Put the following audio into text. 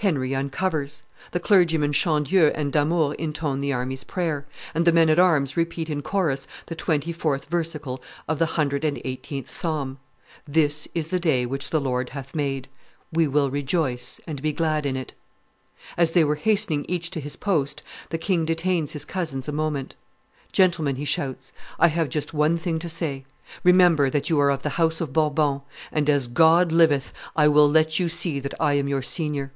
Henry uncovers; the clergymen Chandieu and Damours intone the army's prayer, and the men at arms repeat in chorus the twenty fourth versicle of the hundred and eighteenth Psalm: 'This is the day which the Lord hath made; we will rejoice and be glad in it.' As they were hastening each to his post, the king detains his cousins a moment. 'Gentlemen,' he shouts, 'I have just one thing to say: remember that you are of the house of Bourbon; and, as God liveth, I will let you see that I am your senior.